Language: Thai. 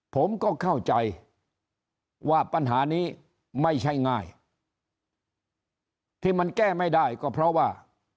ผมก็เข้าใจว่าปัญหานี้ไม่ใช่ง่ายที่มันแก้ไม่ได้ก็เพราะว่า